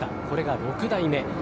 これが６代目。